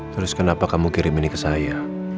terus kenapa kamu kirim ini ke saya